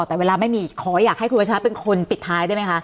แต่เวลาไม่มีขออยากให้คุณวัชระเป็นคนปิดท้ายได้ไหมคะ